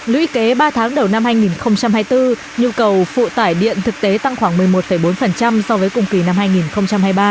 lũy kế ba tháng đầu năm hai nghìn hai mươi bốn nhu cầu phụ tải điện thực tế tăng khoảng một mươi một bốn so với cùng kỳ năm hai nghìn hai mươi ba